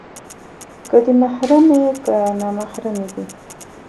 که دې محرمې، که نامحرمې دي